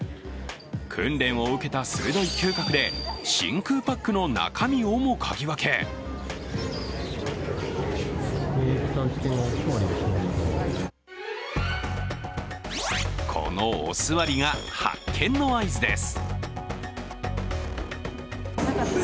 訓練を受けた鋭い嗅覚で真空パックの中身をも嗅ぎ分けこの、おすわりが発見の合図です。